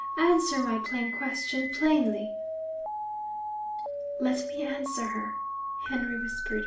Answer my plain question, plainly!' 'Let me answer her,' Henry whispered.